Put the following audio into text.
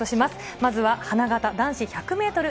まずは花形、男子１００メートル